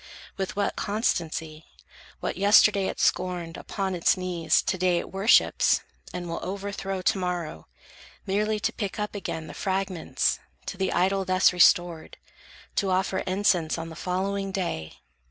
With what constancy, What yesterday it scorned, upon its knees To day it worships, and will overthrow To morrow, merely to pick up again The fragments, to the idol thus restored, To offer incense on the following day!